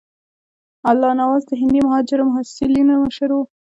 الله نواز د هندي مهاجرو محصلینو مشر وو.